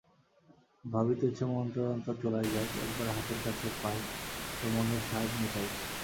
ভাবিতেছে মন্ত্রতন্ত্র চুলায় যাক, একবার হাতের কাছে পাই তো মনের সাধ মিটাই।